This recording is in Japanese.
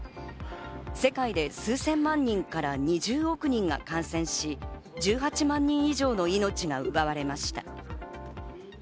世界で数千万人から２０億人が感染し、１８万人以上の命が奪われました。